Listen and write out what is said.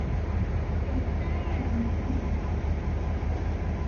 ئێستا یارمەتیم بدە.